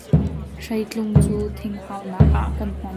Hreitlung cu thing hau nak ah kan hman.